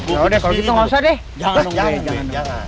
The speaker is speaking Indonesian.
ya udah kalau gitu nggak usah deh jangan jangan